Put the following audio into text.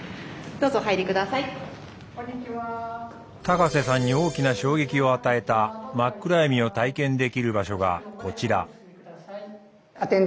高瀬さんに大きな衝撃を与えた真っ暗闇を体験できる場所がこちら。